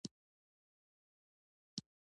د ماشوم د قبضیت لپاره د انځر او اوبو شربت وکاروئ